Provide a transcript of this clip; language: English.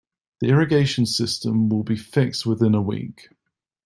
The irrigation system will be fixed within a week.